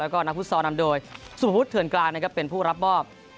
แล้วก็นักพุทธศอร์นำโดยสุภุธเถือนกลางเป็นผู้รับบ้อบ